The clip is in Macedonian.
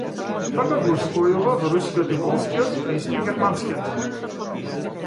Така го усвојував рускиот и полскиот, а исто и германскиот.